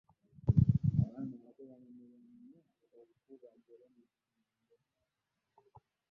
Abaana abato banyumirwa nyo okuba gerema engoo.